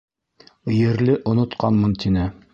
Ерле онотҡанмын, — тине.